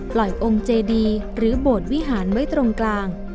ปล่อยองค์เจดีหรือโบดวิหารไว้ตรงกลาง